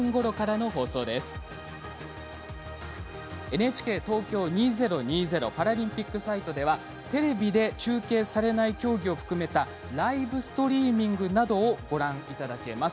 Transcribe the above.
ＮＨＫ東京２０２０パラリンピックサイトではテレビで中継されない競技を含めたライブストリーミングなどをご覧いただけます。